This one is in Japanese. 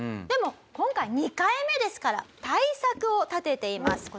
でも今回２回目ですから対策を立てています。